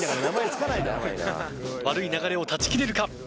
悪い流れを断ち切れるか？